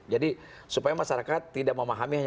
jadi supaya masyarakat tidak memahami